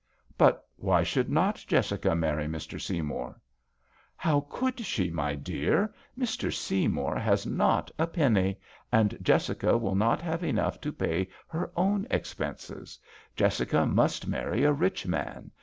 *' But why should not Jessica marry Mr. Seymour ?"" How could she, my dear ? Mr. Seymour has not a penny, and Jessica will not have enough to pay her own expenses. Jessica must marry a rich man.